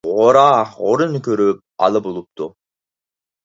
غورا غورىنى كۆرۈپ ئالا بوپتۇ.